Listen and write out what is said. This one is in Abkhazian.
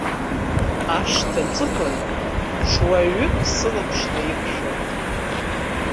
Ашҭа аҵыхәан ҽуаҩык сылаԥш наиқәшәоит.